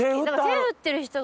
手振ってる人が。